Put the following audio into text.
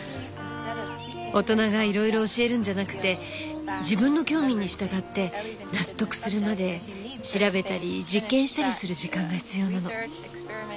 大人がいろいろ教えるんじゃなくて自分の興味に従って納得するまで調べたり実験したりする時間が必要なの。